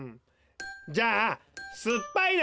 じゃあすっぱいの。